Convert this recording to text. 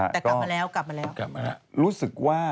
แต่กลับมาแล้ว